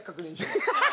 ハハハハ！